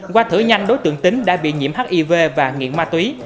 qua thử nhanh đối tượng tính đã bị nhiễm hiv và nghiện ma túy